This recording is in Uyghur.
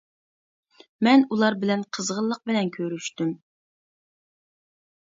مەن ئۇلار بىلەن قىزغىنلىق بىلەن كۆرۈشتۈم.